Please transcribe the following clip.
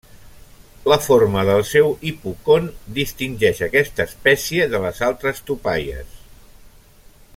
La forma del seu hipocon, distingeix aquesta espècie de les altres tupaies.